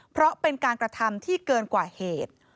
เพราะเป็นการกระทำที่เกินกว่าเหตุ